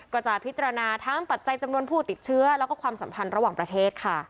ก็จะพิจารณาทั้งปัจจัยจำนวนผู้ติดเชื้อแล้วก็ความสัมพันธ์ระหว่างประเทศค่ะ